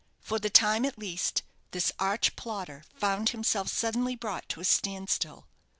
For the time, at least, this arch plotter found himself suddenly brought to a stand still.